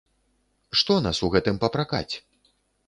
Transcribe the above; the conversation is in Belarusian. Што нас у гэтым папракаць?